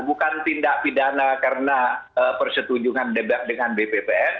bukan tindak pidana karena persetujuan dengan bppn